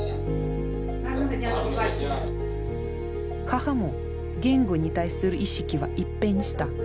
母も言語に対する意識は一変した。